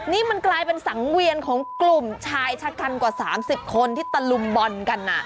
นี่มันกลายเป็นสังเวียนของกลุ่มชายชะกันกว่า๓๐คนที่ตะลุมบอลกัน